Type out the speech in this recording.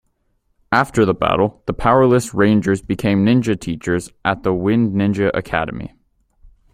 After the battle, the powerless Rangers become ninja teachers at the Wind Ninja Academy.